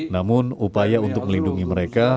namun upaya untuk melindungi mereka